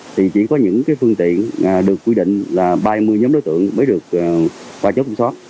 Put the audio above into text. thì chỉ có những phương tiện được quy định là ba mươi nhóm đối tượng mới được qua chốt kiểm soát